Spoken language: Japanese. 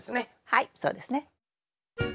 はいそうですね。